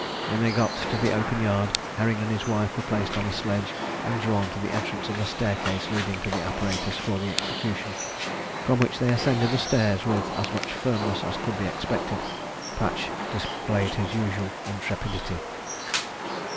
When they got to the open yard, Herring and his wife were placed on a sledge, and drawn to the entrance of the stair case leading to the apparatus for the execution, from which they ascended the stairs with as much firmness as could be expected. Patch displayed his usual intrepidity.